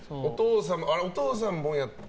お父さんもやってた？